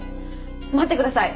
待ってください。